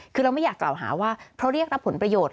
คือเราไม่อยากกล่าวหาว่าเพราะเรียกรับผลประโยชน์